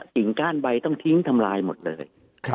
สิ่งก้านใบต้องทิ้งทำลายหมดเลย